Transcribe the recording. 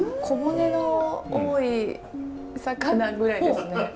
小骨の多い魚ぐらいですね。